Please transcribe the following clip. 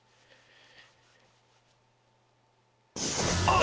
あ！